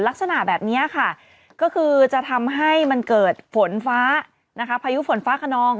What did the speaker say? ลักษณะแบบนี้ค่ะก็คือจะทำให้มันเกิดฝนฟ้านะคะพายุฝนฟ้าขนอง